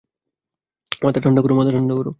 মাথা ঠান্ডা করো!